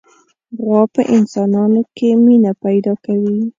غوا په انسانانو کې مینه پیدا کوي.